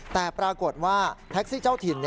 แต่ปรากฏว่าแท็กซี่เจ้าถิ่น